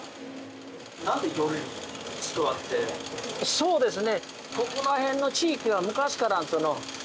そうですね。